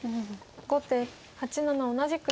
後手８七同じく飛車